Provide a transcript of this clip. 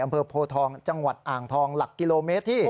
โพทองจังหวัดอ่างทองหลักกิโลเมตรที่